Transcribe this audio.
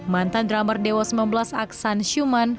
mantan drummer dewa sembilan belas aksan syuman